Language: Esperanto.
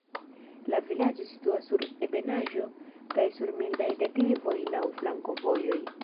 La vilaĝo situas sur ebenaĵo kaj sur mildaj deklivoj laŭ flankovojoj.